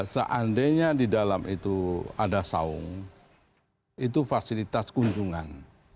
seandainya di dalam itu ada saung itu fasilitas kunjungan